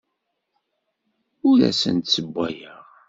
Ur asen-d-ssewwayeɣ.